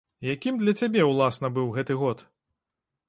Якім для цябе, уласна, быў гэты год?